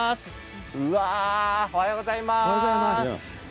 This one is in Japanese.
うわあ、おはようございます。